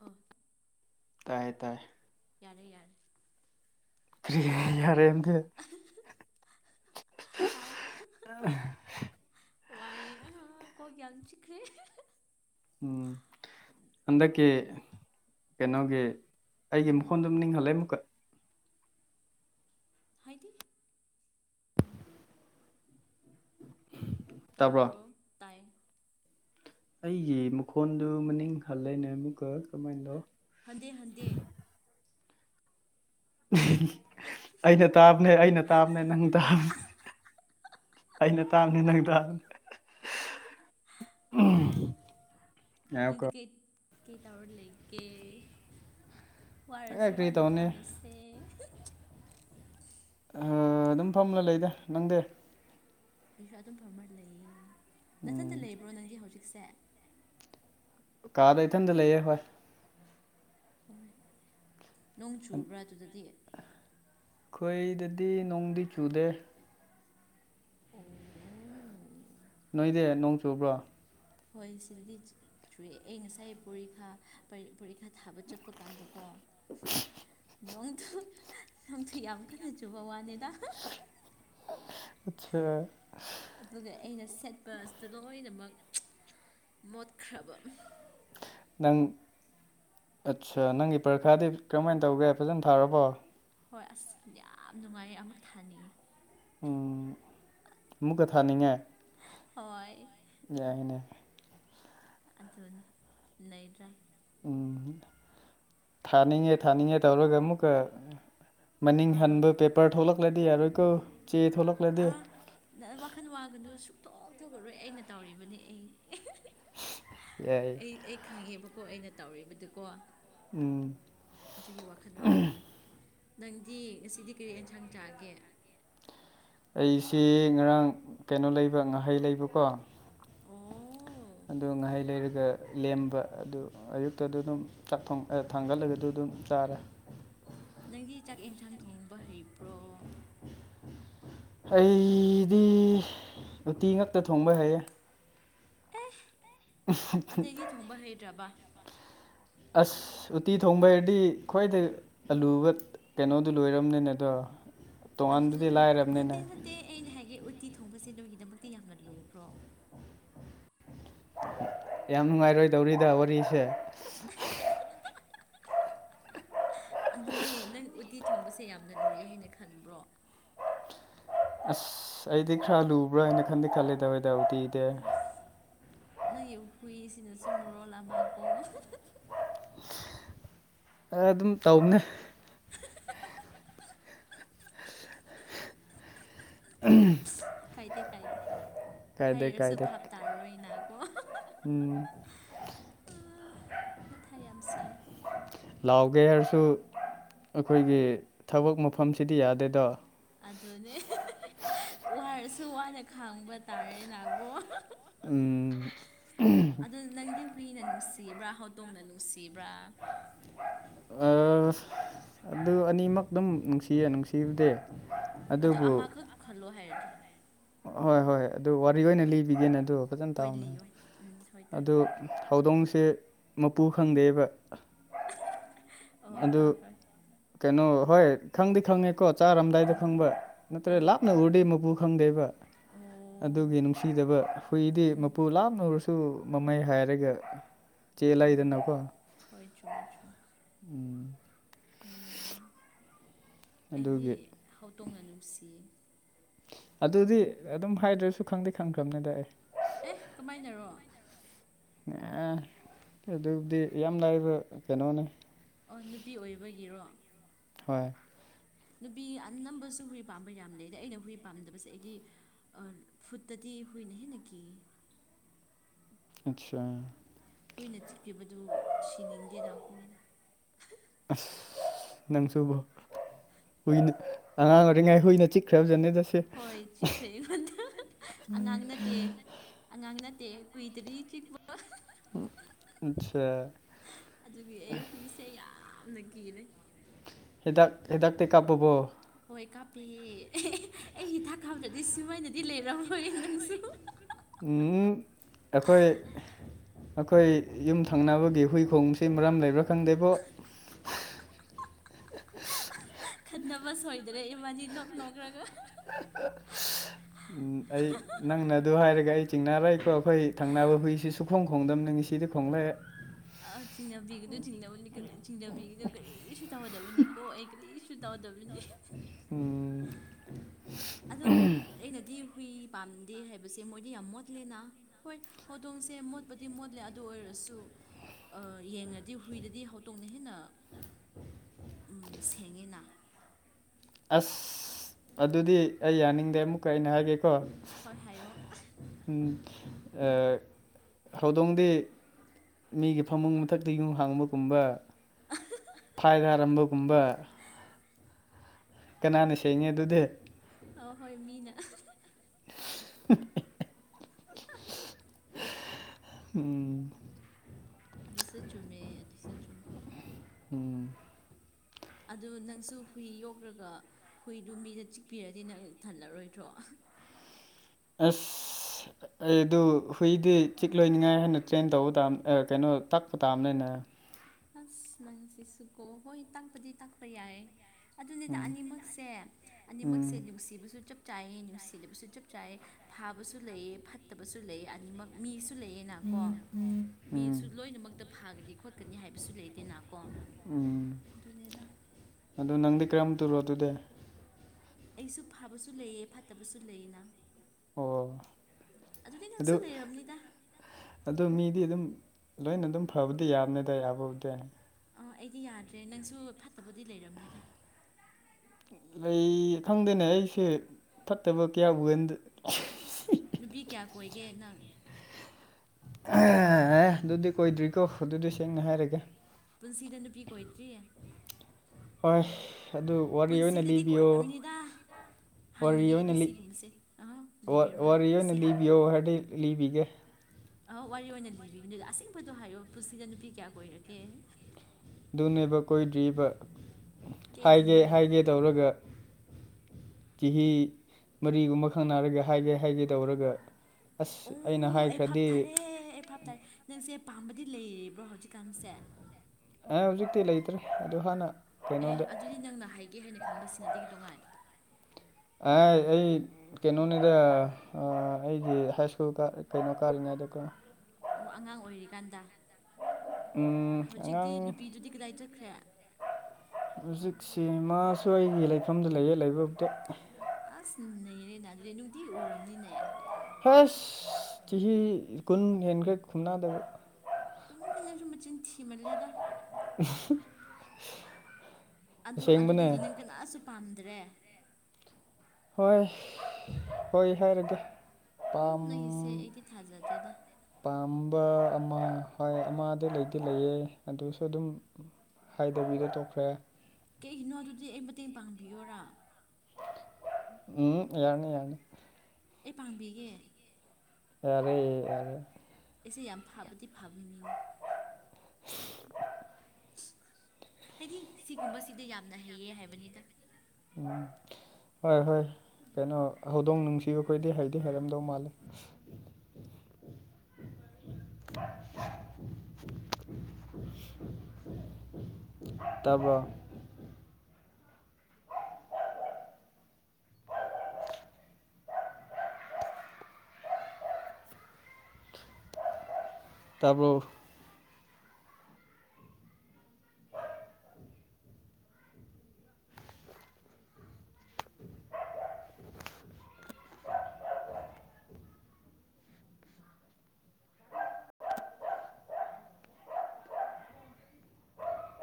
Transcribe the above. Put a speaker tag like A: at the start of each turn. A: ꯑꯣ
B: ꯇꯥꯏꯌꯦ ꯇꯥꯏꯌꯦ
A: ꯌꯥꯔꯦ ꯌꯥꯔꯦ
B: ꯐꯔꯤ ꯌꯥꯔꯦꯝꯗꯦ ꯑ
A: ꯍꯥ
B: ꯍꯝ ꯑꯥ
A: ꯋꯥꯏꯌꯦ ꯑꯥ ꯀꯣꯛ ꯌꯥꯝ ꯆꯤꯛꯈ꯭ꯔꯦ ꯑꯦꯍꯦꯍꯦ
B: ꯎꯝ ꯍꯟꯗꯛꯀꯤ ꯀꯩꯅꯣꯒꯤ ꯑꯩꯒꯤ
A: ꯎꯝ
B: ꯃꯈꯣꯟꯗꯨꯝ ꯃꯅꯤꯡ ꯍꯜꯂꯦ ꯑꯃꯨꯛꯀ
A: ꯍꯥꯏꯗꯤ
B: ꯇꯥꯕ꯭ꯔꯣ
A: ꯇꯕ꯭ꯔꯣ ꯇꯥꯏ
B: ꯑꯩꯒꯤ ꯃꯈꯣꯟꯗꯨ ꯃꯅꯤꯡ ꯍꯜꯂꯦꯅꯦ ꯑꯃꯨꯛꯀ ꯀꯃꯥꯏꯅꯅꯣ
A: ꯍꯟꯗꯦ ꯍꯟꯗꯦ
B: ꯑꯩꯅ ꯇꯥꯕꯅꯦ ꯑꯩꯅ ꯇꯥꯕꯅꯦ ꯅꯪ ꯇꯣ ꯑꯩꯅ ꯇꯥꯕꯅꯦ ꯅꯪ ꯇꯣ ꯎꯝ
A: ꯅꯪꯗꯤꯀꯤ ꯀꯩ ꯀꯩ ꯇꯧꯔ ꯂꯩꯒꯦ
B: ꯑꯦ
A: ꯋꯥꯔꯁꯨ
B: ꯀꯔꯤ
A: ꯋꯥꯅ
B: ꯇꯧꯅꯤ
A: ꯈꯥꯡꯉꯁꯦ
B: ꯑꯥ ꯑꯗꯨꯝ ꯐꯝꯂ ꯂꯩꯗ ꯅꯪꯗꯤ
A: ꯑꯩꯁꯨ ꯑꯗꯨꯝ ꯐꯝꯃ ꯂꯩꯌꯦ
B: ꯎꯝ
A: ꯅꯊꯟꯇ ꯂꯩꯕ꯭ꯔꯣ ꯅꯪꯗꯤ ꯍꯧꯖꯤꯛꯁꯦ
B: ꯀꯥꯗ ꯏꯊꯟꯗ ꯂꯩꯌꯦ ꯍꯣꯏ
A: ꯍ ꯅꯣꯡ ꯆꯨꯕ꯭ꯔꯥ ꯑꯗꯨꯗꯗꯤ
B: ꯑꯩꯈꯣꯏꯗꯗꯤ ꯅꯣꯡꯗꯤ ꯆꯨꯗꯦ
A: ꯎꯝ ꯎ ꯎꯝ
B: ꯁꯤꯗꯤ ꯅꯣꯡ ꯆꯨꯕ꯭ꯔꯣ
A: ꯍꯣꯏ ꯁꯤꯗꯗꯤ ꯆꯨꯏ ꯑꯩ ꯉꯁꯥꯏ ꯄꯣꯔꯤꯈꯥ ꯄꯣꯔꯤꯈꯥ ꯊꯥꯕ ꯆꯠꯄ ꯀꯥꯟꯗꯀꯣ ꯍꯨ ꯅꯣꯡ ꯅꯣꯡꯊꯤ ꯌꯥꯝ ꯀꯟꯅ ꯆꯨꯕ ꯋꯥꯅꯤꯗ
B: ꯑꯠꯁꯥ
A: ꯑꯗꯨꯒ ꯑꯩꯅ ꯁꯦꯠꯄ ꯑꯁꯤ ꯂꯣꯏꯅꯃꯛ ꯃꯣꯠꯈ꯭ꯔꯕ
B: ꯅꯪ ꯑꯠꯁꯥ ꯅꯪꯒꯤ ꯄꯔꯤꯈꯥꯗꯤ ꯀꯔꯝꯃꯥꯏꯅ ꯇꯧꯒꯦ ꯐꯖꯅ ꯊꯥꯔꯕꯣ
A: ꯍꯣꯏ ꯑꯦꯁ ꯌꯥꯝ ꯅꯨꯡꯉꯥꯏꯌꯦ ꯑꯃꯨꯛ ꯊꯥꯅꯤꯡꯉ
B: ꯎꯝ ꯑꯃꯨꯛꯀ ꯊꯥꯅꯤꯡꯉꯦ
A: ꯍꯣꯏ
B: ꯌꯥꯢ ꯅꯦ
A: ꯑꯥꯗꯨꯅꯦ ꯅꯩꯗ꯭ꯔꯥ
B: ꯎꯝ
A: INAUDIBLE
B: ꯊꯥꯅꯤꯡꯉꯦ ꯊꯥꯅꯤꯡꯉꯦ ꯇꯧꯔꯒ ꯃꯨꯛꯀ ꯃꯅꯤꯡ
A: ꯑꯥ
B: ꯍꯥꯟꯕ ꯄꯦꯄꯔ ꯊꯣꯛꯂꯛꯂꯗꯤ ꯌꯥꯔꯣꯢ ꯀꯣ
A: ꯑꯥ ꯋꯥꯈꯜ ꯋꯥꯒꯅꯨ ꯁꯨ ꯊꯣꯛ ꯊꯣꯡꯂꯂꯣꯏ ꯑꯩꯅ ꯇꯧꯔꯤꯕꯅꯤ ꯑꯩ
B: ꯌꯥꯏ
A: ꯑꯩ ꯑꯩ ꯈꯪꯉꯦꯕ ꯀꯣ ꯑꯩꯅ ꯇꯧꯔꯤꯕꯗꯨꯀꯣ
B: ꯎꯝ
A: ꯑꯗꯨꯒꯤ ꯋꯥꯈꯜ ꯋꯥꯒꯅꯨ ꯅꯪꯗꯤ ꯉꯁꯤꯗꯤ ꯀꯔꯤ ꯢꯟꯁꯥꯡ ꯆꯥꯒꯦ
B: ꯑꯩꯁꯦ ꯉꯔꯥꯡ ꯀꯩꯅꯣ ꯂꯩꯕ ꯉꯥꯍꯩ ꯂꯩꯕ ꯀꯣ
A: ꯑꯣ
B: ꯑꯗꯨ ꯉꯥꯏꯍꯩ ꯂꯩꯔꯒ ꯂꯦꯝꯕ ꯑꯗꯨ ꯑꯌꯨꯛꯇꯨꯗ ꯑꯗꯨꯝ ꯆꯥꯈꯨꯝ ꯑꯥ ꯊꯥꯡꯡꯒꯠꯂꯒꯗꯨ ꯑꯗꯨꯝ ꯗꯨꯝ ꯆꯥꯔꯦ
A: ꯅꯪꯗꯤ ꯆꯥꯛ ꯑꯦꯟꯁꯥꯡ ꯊꯣꯡꯕ ꯍꯩꯕ꯭ꯔꯣ
B: ꯑꯩ ꯗꯤ ꯎꯇꯤ ꯉꯛꯇ ꯊꯣꯡꯕ ꯍꯩꯌꯦ
A: ꯑꯦ ꯑꯇꯩꯗꯤ ꯊꯣꯡꯕ ꯍꯩꯇ꯭ꯔꯕ
B: ꯑꯥꯁ ꯎꯇꯤ ꯊꯣꯡꯕ ꯍꯩꯔꯗꯤ ꯈ꯭ꯋꯥꯏꯗ ꯑꯂꯨꯕ ꯀꯩꯅꯣꯗꯨ ꯂꯣꯏꯔꯕꯅꯤꯅꯦ ꯑꯗꯣ
A: ꯑꯗꯨꯗꯣ ꯎꯠ ꯅꯠꯇꯦ ꯅꯠꯇꯦ ꯑꯩꯅ ꯍꯥꯏꯗꯤ ꯎꯠ ꯇꯤ ꯊꯣꯡꯕꯁꯦ ꯅꯣꯏꯒꯤꯗꯃꯛꯇꯤ ꯌꯥꯝꯅ ꯂꯨꯕ꯭ꯔꯣ
B: ꯌꯥꯝ ꯅꯨꯡꯉꯥꯏꯔꯣꯏꯗꯧꯔꯤꯗ ꯋꯥꯔꯤꯁꯦ
A: UNINTELLIGIBLE ꯑꯗꯨꯅꯦ ꯅꯪ ꯎꯇꯤ ꯊꯣꯡꯕꯁꯦ ꯌꯥꯝꯅ ꯂꯨꯏꯌꯦ ꯍꯥꯏꯅ ꯈꯟꯕ꯭ꯔꯣ
B: ꯑꯥꯁ ꯑꯩꯗꯤ ꯈꯔ ꯂꯨꯕ꯭ꯔꯣ ꯍꯥꯏꯅ ꯈꯟꯗꯤ- ꯈꯟꯂꯦ ꯇꯧꯋꯦꯗꯥꯎꯗꯤ
A: UNINTELLIGIBLE ꯍꯨꯏꯁꯤꯅꯁꯨ ꯃꯔꯣꯟ ꯑꯃꯀꯣ
B: ꯍꯦ ꯑꯗꯨꯝ ꯇꯧꯕꯅꯦ
A: UNINTELLIGIBLE ꯀꯥꯏꯗꯦ ꯀꯥꯏꯗꯦ
B: ꯀꯥꯏꯗꯦ
A: ꯍꯥꯏꯔꯁꯨ
B: ꯀꯥꯏꯗꯦ
A: ꯚꯥꯞ ꯇꯥꯔꯣꯏꯅꯥꯀꯣ
B: ꯎꯝ
A: ꯃꯊꯥ ꯌꯥꯝ ꯁꯥꯏꯌꯦ
B: ꯂꯥꯎꯒꯦ ꯍꯥꯏꯔꯁꯨ ꯑꯩꯈꯣꯏꯒꯤ ꯊꯕꯛ ꯃꯐꯝꯁꯤꯗꯤ ꯌꯥꯗꯦꯗꯣ
A: ꯑꯗꯨꯅꯦ ꯋꯥꯔꯁꯨ- ꯋꯥꯅ ꯈꯥꯡꯕ ꯇꯥꯔꯦ ꯅꯀꯣ
B: ꯎꯝ
A: ꯑꯗꯨ ꯅꯪꯗꯤ ꯍꯨꯏꯅꯅꯤ ꯅꯨꯡꯁꯤꯕ꯭ꯔꯥ ꯍꯧꯗꯣꯡꯅ ꯅꯨꯡꯁꯤꯕ꯭ꯔꯥ
B: ꯑꯥꯁ ꯑꯗꯨ ꯑꯅꯤꯃꯛ ꯑꯗꯨꯝ ꯅꯨꯡꯁꯤꯌꯦ ꯅꯨꯡꯁꯤꯕꯗꯤ
A: ꯑꯗꯣ
B: ꯑꯗꯨꯕꯨ
A: ꯑꯃꯈꯛ ꯈꯜꯂꯣ ꯍꯥꯏꯔꯗꯤ
B: ꯍꯣꯏ ꯍꯣꯏ ꯑꯗꯨ ꯋꯥꯔꯤ ꯑꯣꯏꯅ ꯂꯤꯕꯤꯒꯦꯅꯦ ꯑꯗꯨ ꯐꯖꯅ
A: ꯍꯣꯏ
B: ꯇꯥꯎꯅꯦ
A: ꯂꯤꯌꯣ ꯎꯝ ꯍꯣꯏ ꯇꯥꯒꯦ
B: ꯑꯗꯨ ꯍꯧꯗꯣꯡꯁꯦ ꯃꯄꯨ ꯈꯪꯗꯦꯑꯦꯕ
A: ꯑꯣꯑꯣ ꯍꯣꯏ ꯍꯣꯏ
B: ꯀꯩꯅꯣ ꯍꯣꯏ ꯈꯪꯗꯤ- ꯈꯪꯉꯦꯀꯣ ꯆꯥꯔꯝꯗꯥꯏꯗ
A: ꯑꯥ
B: ꯈꯪꯕ ꯅꯠꯇꯔ
A: ꯑꯥ
B: ꯂꯥꯞꯅ ꯎꯔꯗꯤ ꯃꯄꯨ ꯈꯪꯗꯦꯕ
A: ꯑꯣ
B: ꯑꯗꯨꯒꯤ ꯅꯨꯡꯁꯤꯗꯕ ꯍꯨꯏꯗꯤ
A: ꯎꯝ
B: ꯃꯄꯨ ꯂꯥꯞꯅ ꯎꯔꯁꯨ ꯁꯨ ꯃꯃꯩ ꯍꯥꯏꯔꯒ
A: ꯍꯣꯏ
B: ꯆꯦꯜꯂꯛꯏꯗꯅꯀꯣ
A: ꯍꯣꯏ
B: ꯎꯪ
A: ꯎꯪ ꯑꯩꯗꯤ
B: ꯑꯗꯨꯒꯤ
A: ꯍꯧꯗꯣꯡꯅ ꯅꯨꯡꯁꯤꯌꯦ
B: ꯑꯗꯨꯗꯤ ꯑꯗꯨꯝ ꯍꯥꯏꯗ꯭ꯔꯁꯨ ꯈꯪꯗꯤ ꯈꯪꯈ꯭ꯔꯕꯅꯤꯗ ꯑꯩ
A: ꯑꯦ ꯀꯃꯥꯏꯅꯔꯣ
B: ꯑꯦ ꯑꯗꯨꯕꯨꯗꯤ ꯌꯥꯝ ꯂꯥꯏꯕ ꯀꯩꯅꯣꯅꯦ
A: ꯑꯣ ꯅꯨꯄꯤ ꯑꯣꯏꯕꯒꯤꯔꯣ
B: ꯍꯣꯏ
A: ꯅꯨꯄꯤ ꯑꯅꯝꯕꯁꯨ ꯍꯨꯏ ꯄꯥꯝꯕ ꯌꯥꯝ ꯂꯩꯗ ꯑꯩꯅ ꯍꯨꯏ ꯄꯥꯝꯗꯕꯁꯦ ꯑꯩꯗꯤ ꯑꯥ ꯐꯨꯠꯇꯗꯤ ꯍꯨꯢꯅ ꯍꯦꯟꯅ ꯀꯤꯌꯦ
B: ꯑꯠꯁꯥ
A: ꯍꯨꯏꯅ ꯆꯤꯛꯈꯤꯕꯗꯨ ꯁꯤꯅꯤꯡꯗꯦꯅꯀꯣ
B: ꯑꯁ ꯅꯪꯁꯨꯕ ꯍꯨꯏꯅ ꯑꯉꯥꯡ ꯑꯣꯏꯔꯤꯉꯩ ꯍꯨꯏꯅ ꯆꯤꯛꯈ꯭ꯔꯦꯕꯖꯥꯠꯅꯤꯗ
A: ꯍꯣꯏ ꯆꯤꯛꯈ꯭ꯔꯦ ꯑꯩꯉꯣꯟꯗ ꯑꯉꯥꯡ ꯅꯠꯇꯦ ꯑꯉꯥꯡ ꯅꯠ ꯇꯦ ꯀꯨꯢꯗꯔꯤ ꯆꯤꯛꯄ ꯑ ꯍ
B: ꯎ ꯑꯁꯥ
A: ꯑꯗꯨꯒꯤ ꯑꯩ ꯍꯨꯏꯁꯦ ꯌꯥꯝꯅ ꯀꯤꯔꯦ
B: ꯍꯤꯗꯥꯛ ꯍꯤꯗꯥꯛ ꯇꯤ ꯀꯥꯞꯄꯕꯣ
A: ꯀꯥꯄꯦꯍꯦ ꯑꯖꯦꯍꯦ ꯑꯩ ꯍꯤꯗꯥꯛ ꯀꯥꯞꯇ꯭ꯔꯗꯤ ꯁꯨꯃꯥꯢꯅꯗꯤ ꯂꯩꯔꯝꯃꯣꯏꯍꯦ ꯅꯪꯁꯨ
B: ꯑꯝ ꯑꯩꯈꯣꯏ ꯑꯩꯈꯣꯏ ꯌꯨꯝ ꯊꯪꯅꯕꯒꯤ ꯍꯨꯏ ꯈꯣꯡꯕꯁꯤ ꯃꯔꯝ ꯂꯩꯕ꯭ꯔꯥ ꯈꯪꯗꯦꯕꯣ
A: ꯐꯨꯅꯕ ꯁꯣꯏꯗ꯭ꯔꯦ ꯏꯕꯥꯅꯤ ꯅꯣꯛ ꯅꯣꯛꯔꯒ
B: ꯆꯤꯡꯅꯔꯦꯀꯣ ꯑꯩꯈꯣꯏ ꯊꯪꯅꯕ ꯍꯨꯏꯁꯤ ꯁꯨꯈꯣꯡ ꯈꯣꯡꯗꯝꯅꯦ ꯉꯁꯤꯗꯤ ꯈꯣꯡꯂꯦ
A: ꯑꯥ ꯆꯤꯡꯅꯕꯤꯒꯅꯨ ꯆꯤꯡꯅꯕꯅꯤ ꯀꯔꯤ ꯆꯤꯡꯅꯕꯤꯒꯅꯨ ꯀꯔꯤꯁꯨ ꯇꯧꯗꯕꯅꯤꯀꯣ ꯑꯩ ꯀꯔꯤꯁꯨ ꯇꯧꯗꯕꯅꯤ
B: ꯎꯝ
A: ꯑꯗꯨꯝ ꯑꯩꯅꯗꯤ ꯍꯨꯏ ꯄꯥꯝꯗꯦ ꯍꯥꯏꯕꯁꯦ ꯃꯣꯏꯗꯤ ꯌꯥꯝ ꯃꯣꯠꯂꯦꯅ ꯍꯣꯏ ꯍꯧꯗꯣꯡꯁꯦ ꯃꯣꯠꯄꯗꯤ ꯃꯣꯠꯂꯦ ꯑꯗꯨ ꯑꯣꯏꯔꯁꯨ ꯑꯥ ꯌꯦꯡꯉꯗꯤ ꯍꯨꯏꯗꯗꯤ ꯍꯧꯗꯣꯡꯅ ꯍꯦꯟꯅ ꯎꯝ ꯁꯦꯡꯉꯦꯅ
B: ꯑꯁ ꯑꯗꯨꯗꯤ ꯑꯩ ꯌꯥꯅꯤꯡꯗꯦ ꯑꯃꯨꯛꯀ ꯑꯩꯅ ꯍꯥꯏꯒꯦ ꯀꯣ
A: ꯍꯣꯏ ꯍꯥꯏꯌꯣ
B: ꯎꯝ ꯑꯥ ꯍꯧꯗꯣꯡꯗꯤ ꯃꯤꯒꯤ ꯐꯃꯨꯡ ꯃꯊꯛꯇ ꯌꯨꯡ ꯍꯥꯡꯕꯒꯨꯝꯕ ꯐꯥꯏꯗꯔꯝꯕꯒꯨꯝꯕ ꯀꯅꯥꯅ ꯁꯦꯡꯉꯦ ꯑꯗꯨꯗꯤ
A: ꯑꯥ ꯍꯣꯏ ꯃꯤꯅ
B: ꯍꯍ ꯎꯝ
A: ꯑꯗꯨꯁꯨ ꯆꯨꯝꯃꯦ ꯑꯗꯨꯁꯨ ꯆꯨꯝꯃꯦ
B: ꯎꯝ
A: ꯑꯗꯨ ꯅꯪꯁꯨ ꯍꯨꯏ ꯌꯣꯛꯂꯒ ꯍꯨꯏꯗꯨ ꯃꯤꯗ ꯆꯤꯛꯄꯤꯔꯗꯤ ꯅꯪ ꯊꯜꯂꯔꯣꯏꯗ꯭ꯔꯣ
B: ꯑꯁ ꯑꯩ ꯑꯗꯨ ꯍꯨꯏꯗꯤ ꯆꯤꯛꯂꯣꯏꯅꯤꯡꯉꯥꯏ ꯍꯥꯏꯅ ꯇ꯭ꯔꯦꯟ ꯇꯧꯕ ꯇꯥꯝ ꯑꯥ ꯀꯩꯅꯣ ꯇꯥꯛꯄ ꯇꯥꯝꯅꯤꯅꯦ ꯑꯥ
A: ꯑꯁ ꯅꯪꯁꯤꯁꯨꯀꯣꯑꯣ ꯍꯣꯏ ꯇꯥꯛꯄꯗꯤ ꯇꯥꯛꯄ ꯌꯥꯏꯌꯦ ꯑꯗꯨꯅꯤꯗ
B: ꯎꯝ
A: ꯑꯅꯤꯃꯛꯁꯦ ꯑꯅꯤꯃꯛꯁꯦ
B: ꯎꯝ
A: ꯅꯨꯡꯁꯤꯕꯁꯨ ꯆꯞ ꯆꯞ ꯆꯥꯏꯌꯦ ꯅꯨꯡꯁꯤꯗꯕꯁꯨ ꯆꯞ ꯆꯥꯏ ꯐꯥꯕꯁꯨ ꯂꯩꯌꯦ ꯐꯠꯇꯕꯁꯨ ꯂꯩꯌꯦ ꯑꯅꯤꯃꯛ ꯃꯤ ꯂꯩꯌꯦꯅꯀꯣ
B: ꯎꯝ
A: ꯃꯤꯁꯨ ꯂꯣꯏꯅꯃꯛꯇ ꯐꯒꯅꯤ ꯈꯣꯠꯀꯅꯤ ꯍꯥꯏꯕ ꯂꯩꯇꯦꯅ ꯀꯣ
B: ꯎꯝ
A: ꯑꯗꯨꯅꯦꯗ
B: ꯇꯨꯔꯗꯨꯨꯗꯦ [unintelligible]
A: ꯑꯩꯁꯨ ꯐꯥꯕꯁꯨ ꯂꯩꯌꯦ ꯐꯠꯇꯕꯁꯨ ꯂꯩꯌꯦꯅ
B: ꯑꯣ
A: ꯑꯗꯨꯗꯤ
B: ꯑꯗꯨ
A: ꯅꯪꯁꯨ ꯂꯩꯔꯝꯅꯤꯗ
B: ꯑꯗꯨ ꯃꯤꯗꯤ ꯑꯗꯨꯝ ꯂꯣꯏꯅ ꯑꯗꯨꯝ ꯐꯕꯗꯤ ꯌꯥꯕꯅꯤꯗ ꯌꯥꯕꯕꯨꯗꯤ
A: ꯑꯥ ꯑꯩꯗꯤ ꯌꯥꯗ꯭ꯔꯦ ꯅꯪꯁꯨ ꯐꯠꯇꯕꯗꯤ ꯂꯩꯔꯝꯅꯤꯗ
B: ꯂꯩ ꯈꯪꯗꯅꯦ ꯑꯩꯁꯦ ꯐꯠꯇꯕ ꯀꯌꯥ ꯎꯒꯗ
A: ꯅꯨꯄꯤ ꯀꯌꯥ ꯀꯣꯏꯒꯦ ꯅꯪ
B: ꯑꯦ ꯑꯗꯨꯗꯤ ꯀꯣꯏꯗ꯭ꯔꯤꯀꯣ ꯑꯗꯨꯗꯤ ꯁꯦꯡꯅ ꯍꯥꯏꯔꯒꯦ
A: ꯄꯨꯟꯁꯤꯗ ꯅꯨꯄꯤ ꯀꯣꯏꯗ꯭ꯔꯤꯌꯦ
B: ꯍꯣꯏ ꯑꯗꯨ ꯋꯥꯔꯤ ꯑꯣꯏꯅ ꯂꯤꯕꯤꯌꯣ ꯋꯥꯔꯤ
A: ꯍꯥꯡꯅꯤꯡꯉꯦ
B: ꯑꯣꯏꯅ
A: ꯑꯩꯗꯤ
B: ꯂꯤ
A: ꯁꯤꯒꯨꯝꯕꯁꯦ ꯑꯍ
B: ꯋꯥ-
A: ꯂꯤꯕꯤꯔꯣꯏ
B: ꯋꯥꯔꯤ ꯑꯣꯏꯅ
A: ꯁꯤ ꯍꯥꯡ
B: ꯂꯤꯕꯤꯌꯣ ꯍꯥꯏꯔꯗꯤ ꯂꯤꯕꯤꯒꯦ
A: ꯑ ꯋꯥꯔꯤ ꯑꯣꯏꯅ ꯂꯤꯕꯤꯒꯅꯤꯗ ꯑꯁꯦꯡꯕꯗꯣ ꯍꯥꯏꯌꯣ ꯄꯨꯟꯁꯤꯗ ꯅꯨꯄꯤ ꯀꯌꯥ ꯀꯣꯏꯔꯒꯦ
B: ꯑꯗꯨꯅꯦꯕ ꯀꯣꯏꯗ꯭ꯔꯤꯕ ꯍꯥꯏꯒꯦ
A: ꯀꯩꯒꯤꯅꯣ
B: ꯍꯥꯏꯒꯦ ꯇꯧꯔꯒ ꯆꯍꯤ ꯃꯔꯤꯒꯨꯝꯕ ꯈꯪꯅꯔꯒꯦ ꯍꯥꯏꯒꯦ ꯍꯥꯏꯒꯦ ꯇꯧꯔꯒ ꯑꯁ ꯑꯩꯅ
A: ꯑꯣ ꯑꯩ ꯚꯥꯞ
B: ꯍꯥꯏꯈ꯭ꯔꯗꯤ
A: ꯇꯥꯔꯦ ꯑꯩ ꯚꯥꯞ ꯇꯔꯦ ꯅꯪꯁꯦ ꯄꯥꯝꯕꯗꯤ ꯂꯩꯔꯤꯕ꯭ꯔꯣ ꯍꯧꯖꯤꯛꯀꯥꯟꯁꯦ
B: ꯑꯦ ꯍꯧꯖꯤꯛꯇꯤ ꯂꯩꯇ꯭ꯔꯦ ꯑꯗꯨ ꯍꯥꯟꯅ
A: ꯑꯦ
B: ꯀꯩꯅꯣꯗ
A: ꯑꯗꯨꯗꯤ ꯅꯪꯅ ꯍꯥꯏꯒꯦ ꯍꯥꯏꯅ ꯈꯟꯕꯁꯤꯅꯗꯤ ꯇꯅꯨꯡꯉꯥꯏ
B: ꯍꯥꯏ ꯑꯩ ꯀꯩꯅꯣꯅꯤꯗ ꯑꯥ ꯑꯩꯗꯤ ꯍꯥꯏ ꯁ꯭ꯀꯨꯜ ꯀꯩꯅꯣ ꯀꯥꯔꯤꯉꯩꯗꯀꯣ
A: ꯑꯣ ꯑꯉꯥꯡ ꯑꯣꯏꯔꯤꯀꯥꯟꯗ
B: ꯎꯝ
A: ꯍꯧꯖꯤꯛꯇꯤ
B: ꯑꯉꯥꯡ
A: ꯅꯨꯄꯤꯗꯨꯗꯤ ꯀꯗꯥꯏ ꯆꯠꯈ꯭ꯔꯦ
B: ꯍꯧꯖꯤꯛ ꯁꯤꯅꯦ ꯃꯥꯁꯨ ꯑꯩꯒꯤ ꯂꯩꯐꯝꯗ ꯂꯩꯌꯦ ꯂꯩꯕꯕꯨꯗꯤ
A: ꯑꯁ ꯅꯔꯦꯅ ꯑꯗꯨꯗꯤ ꯅꯨꯡꯗꯤ ꯎꯔꯝꯅꯤꯅꯦ
B: ꯑꯁ ꯆꯍꯤ ꯀꯨꯟ ꯍꯦꯟꯈ꯭ꯔꯦ ꯈꯨꯝꯅꯗꯕ
A: ꯑꯗꯨꯃꯛꯇꯤ ꯅꯪꯁꯨꯨꯝ ꯃꯆꯤꯟ ꯊꯤꯃꯜꯂꯦꯗ
B: [unintelligible]
A: ꯑꯗꯨ ꯑꯗꯨꯗꯒꯤ
B: ꯑꯁꯦꯡꯕꯅꯦ
A: ꯅꯪ ꯀꯅꯥꯁꯨ ꯄꯥꯝꯗ꯭ꯔꯦ
B: ꯍꯣꯏ ꯍꯣꯏ ꯍꯥꯏꯔꯒꯦ
A: ꯍꯨꯝ
B: ꯄꯥꯝ
A: ꯅꯪꯒꯤꯁꯦ ꯑꯩꯗꯤ ꯊꯥꯖꯗ꯭ꯔꯦꯗ
B: ꯄꯥꯝ ꯕ ꯑꯃ ꯍꯣꯏ ꯑꯃꯗ ꯂꯩꯗꯤ ꯂꯩꯌꯦ ꯑꯗꯨꯁꯨ ꯑꯗꯨꯝ ꯍꯥꯏꯗꯕꯤꯗ ꯇꯣꯛꯈ꯭ꯔꯦ
A: ꯀꯩꯒꯤꯅꯣ ꯑꯗꯨꯗꯤ ꯑꯩ ꯃꯇꯦꯡ ꯄꯥꯡꯕꯤꯌꯣꯔꯥ
B: ꯎꯝ ꯌꯥꯅꯤ ꯌꯥꯅꯤ
A: ꯑꯩ ꯄꯥꯡꯕꯤꯒꯦ
B: ꯌꯥꯔꯦ ꯌꯥꯔꯦ
A: ꯑꯩꯁꯦ ꯌꯥꯝ ꯐꯕꯗꯤ ꯐꯕ ꯃꯤꯅꯦ ꯍꯥꯏꯗꯤ ꯁꯤꯒꯨꯝꯕꯁꯤꯗ ꯌꯥꯝꯅ ꯍꯩꯌꯦ ꯍꯥꯏꯕꯅꯤꯗ
B: ꯎꯝ ꯍꯣꯏ ꯍꯣꯏ ꯀꯩꯅꯣ ꯍꯧꯗꯣꯡ ꯅꯨꯡꯁꯤꯕ ꯈꯣꯏꯗꯤ ꯍꯩꯗꯤ ꯍꯩꯔꯝꯗꯧ ꯃꯥꯜꯂꯦ
A: [unintelligible]
B: [unintelligible] ꯇꯥꯕ꯭ꯔꯣ ꯇꯥꯕꯔꯣ